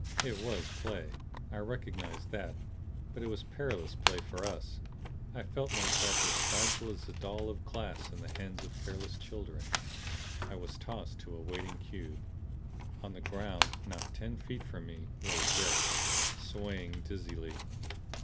It was play; I recognized that. But it was perilous play for us. I felt myself as fragile as a doll of glass in the hands of careless children. I was tossed to a waiting cube. On the ground, not ten feet from me, was Drake, swaying dizzily.